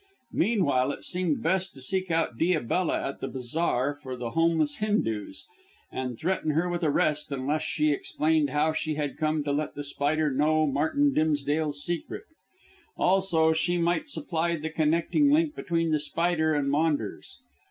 Meanwhile it seemed best to seek out Diabella at the Bazaar for the Homeless Hindoos and threaten her with arrest unless she explained how she had come to let The Spider know Martin Dimsdale's secret. Also, she might supply the connecting link between The Spider and Maunders.